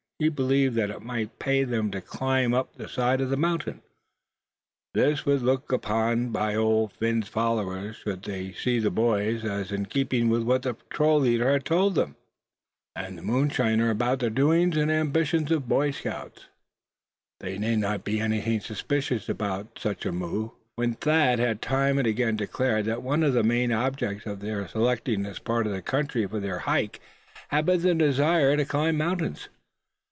He believed that it might pay them to climb up the side of the mountain. This would be looked upon by any of Old Phin's followers, should they see the boys, as in keeping with what the patrol leader had told the moonshiner about the doings and ambitions of Boy Scouts. There need not be anything suspicious about such a move, when Thad had time and again declared that one of the main objects of their selecting this part of the country for their hike, had been the desire to climb mountains.